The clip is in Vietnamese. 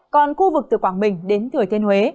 còn khu vực từ quảng bình đến thừa thiên huế